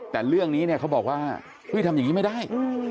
แต่เรื่องนี้เนี่ยเขาบอกว่าเฮ้ยทำอย่างนี้ไม่ได้